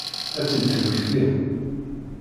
Ad tt-id-temmektim?